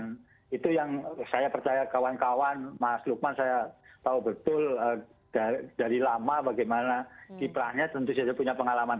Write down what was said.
dan itu yang saya percaya kawan kawan mas lukman saya tahu betul dari lama bagaimana kiprahnya tentu saja punya pengalaman